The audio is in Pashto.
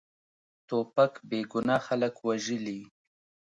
توپک بېګناه خلک وژلي.